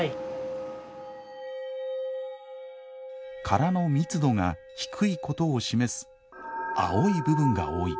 殻の密度が低いことを示す青い部分が多い。